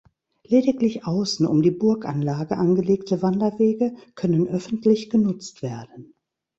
Lediglich außen um die Burganlage angelegte Wanderwege können öffentlich genutzt werden.